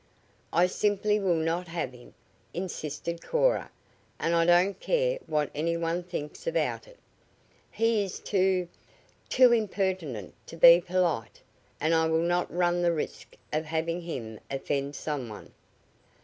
"I simply will not have him," insisted Cora, "and I don't care what any one thinks about it. He is too too impertinent to be polite, and I will not run the risk of having him offend some one."